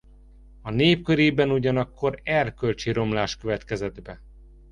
A nép körében ugyanakkor erkölcsi romlás következett be.